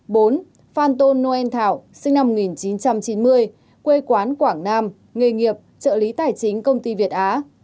bốn phan tôn noel thảo sinh năm một nghìn chín trăm chín mươi quê quán quảng nam nghề nghiệp trợ lý tài chính công ty việt á